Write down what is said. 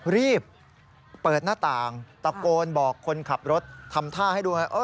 รีบเปิดหน้าต่างตะโกนบอกคนขับรถทำท่าให้ด้วย